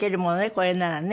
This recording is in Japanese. これならね。